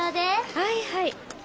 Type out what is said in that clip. はいはい。